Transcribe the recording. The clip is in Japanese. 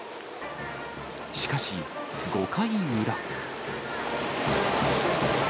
しかし、５回裏。